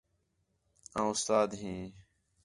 آں اُستاد ھیں